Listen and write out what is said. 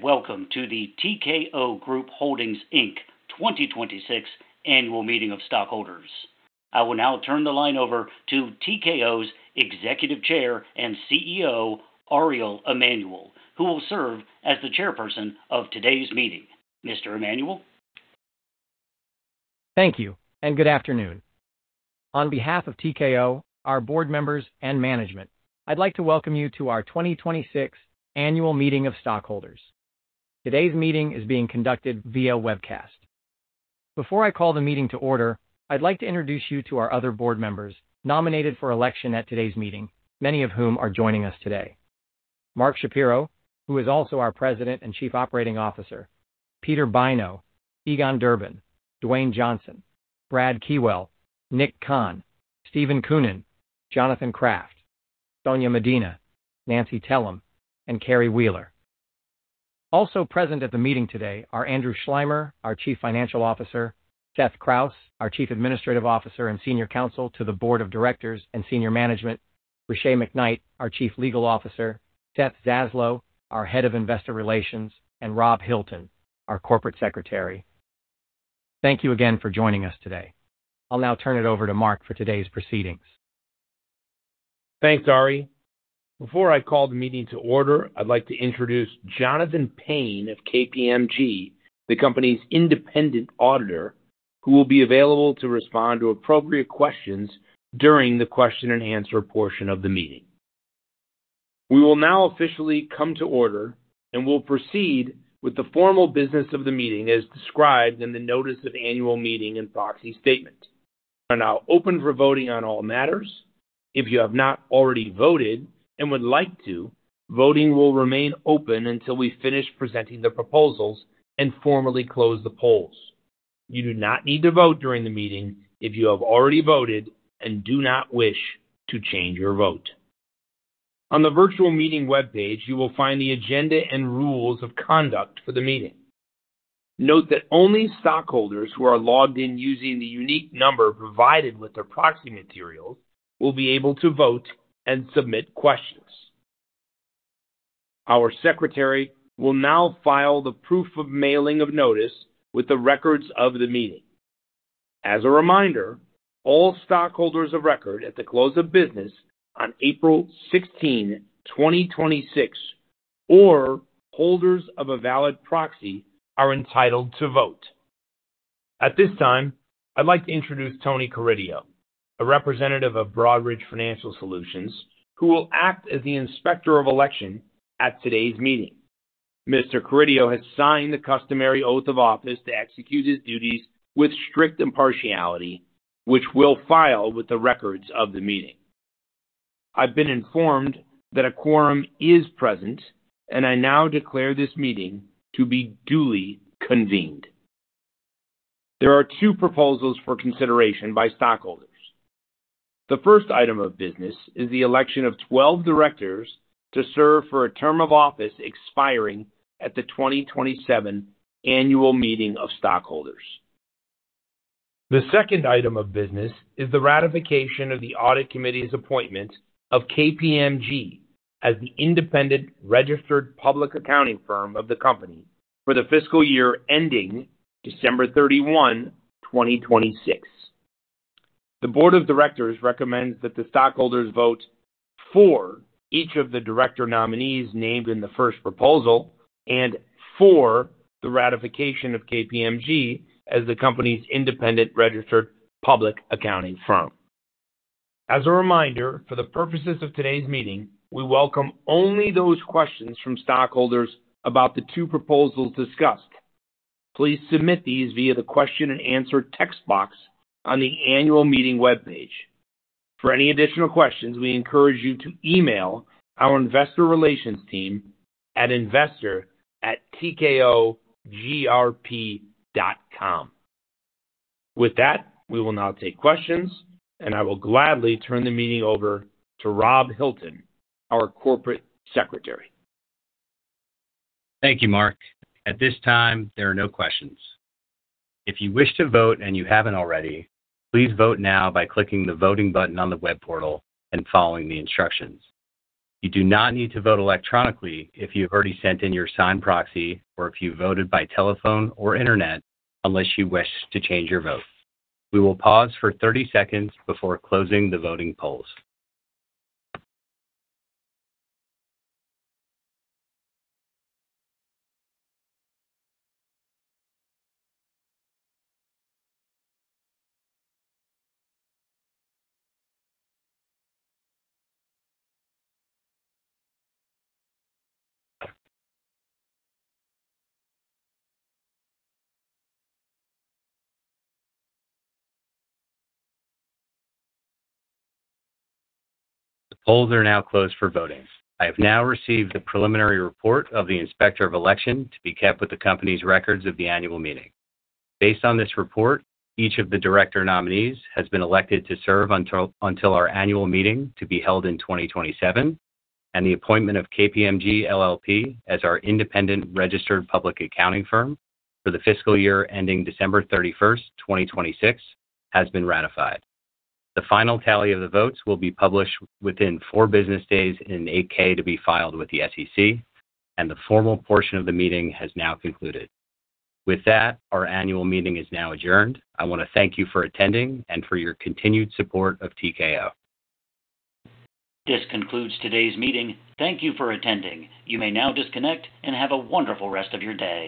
Welcome to the TKO Group Holdings, Inc 2026 Annual Meeting of Stockholders. I will now turn the line over to TKO's Executive Chair and CEO, Ariel Emanuel, who will serve as the Chairperson of today's meeting. Mr. Emanuel. Thank you. Good afternoon. On behalf of TKO, our Board members, and management, I'd like to welcome you to our 2026 Annual Meeting of Stockholders. Today's meeting is being conducted via webcast. Before I call the meeting to order, I'd like to introduce you to our other Board members nominated for election at today's meeting, many of whom are joining us today. Mark Shapiro, who is also our President and Chief Operating Officer, Peter Bynoe, Egon Durban, Dwayne Johnson, Brad Keywell, Nick Khan, Steven Koonin, Jonathan Kraft, Sonya Medina, Nancy Tellem, and Carrie Wheeler. Also present at the meeting today are Andrew Schleimer, our Chief Financial Officer, Seth Krauss, our Chief Administrative Officer and Senior Counsel to the Board of Directors and Senior Management, Riché McKnight, our Chief Legal Officer, Seth Zaslow, our Head of Investor Relations, and Rob Hilton, our Corporate Secretary. Thank you again for joining us today. I'll now turn it over to Mark for today's proceedings. Thanks, Ari. Before I call the meeting to order, I'd like to introduce Jonathan Paine of KPMG, the company's independent auditor, who will be available to respond to appropriate questions during the question-and-answer portion of the meeting. We will now officially come to order and will proceed with the formal business of the meeting as described in the notice of annual meeting and proxy statement. We are now open for voting on all matters. If you have not already voted and would like to, voting will remain open until we finish presenting the proposals and formally close the polls. You do not need to vote during the meeting if you have already voted and do not wish to change your vote. On the virtual meeting webpage, you will find the agenda and rules of conduct for the meeting. Note that only stockholders who are logged in using the unique number provided with their proxy materials will be able to vote and submit questions. Our secretary will now file the proof of mailing of notice with the records of the meeting. As a reminder, all stockholders of record at the close of business on April 16, 2026, or holders of a valid proxy are entitled to vote. At this time, I'd like to introduce Tony Carideo, a representative of Broadridge Financial Solutions, who will act as the Inspector of Election at today's meeting. Mr. Carideo has signed the customary oath of office to execute his duties with strict impartiality, which we'll file with the records of the meeting. I've been informed that a quorum is present, and I now declare this meeting to be duly convened. There are two proposals for consideration by stockholders. The first item of business is the election of 12 directors to serve for a term of office expiring at the 2027 Annual Meeting of Stockholders. The second item of business is the ratification of the audit committee's appointment of KPMG as the independent registered public accounting firm of the company for the fiscal year ending December 31, 2026. The Board of Directors recommends that the stockholders vote for each of the director nominees named in the first proposal and for the ratification of KPMG as the company's independent registered public accounting firm. As a reminder, for the purposes of today's meeting, we welcome only those questions from stockholders about the two proposals discussed. Please submit these via the question-and-answer text box on the annual meeting webpage. For any additional questions, we encourage you to email our investor relations team at investor@tkogrp.com. With that, we will now take questions, and I will gladly turn the meeting over to Rob Hilton, our Corporate Secretary. Thank you, Mark. At this time, there are no questions. If you wish to vote and you haven't already, please vote now by clicking the voting button on the web portal and following the instructions. You do not need to vote electronically if you've already sent in your signed proxy or if you voted by telephone or internet unless you wish to change your vote. We will pause for 30 seconds before closing the voting polls. The polls are now closed for voting. I have now received the preliminary report of the Inspector of Election to be kept with the company's records of the annual meeting. Based on this report, each of the director nominees has been elected to serve until our annual meeting to be held in 2027, and the appointment of KPMG LLP as our independent registered public accounting firm for the fiscal year ending December 31st, 2026, has been ratified. The final tally of the votes will be published within four business days in an 8-K to be filed with the SEC, and the formal portion of the meeting has now concluded. With that, our annual meeting is now adjourned. I want to thank you for attending and for your continued support of TKO. This concludes today's meeting. Thank you for attending. You may now disconnect and have a wonderful rest of your day.